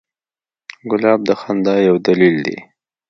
ګلاب د خندا یو دلیل دی.